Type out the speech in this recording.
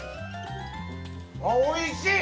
あ、おいしい。